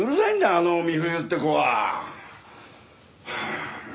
あの美冬って子は。